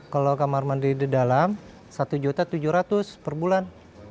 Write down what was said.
kalau kamar mandi di dalam rp satu tujuh ratus per bulan